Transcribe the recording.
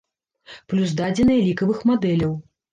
Плюс дадзеныя лікавых мадэляў.